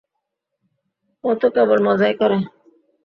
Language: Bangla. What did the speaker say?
ও তো কেবল মজাই করে।